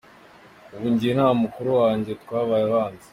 Ubu njye na mukuru wanjye twabaye abanzi.